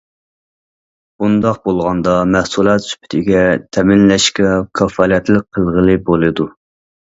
بۇنداق بولغاندا مەھسۇلات سۈپىتىگە، تەمىنلەشكە كاپالەتلىك قىلغىلى بولىدۇ.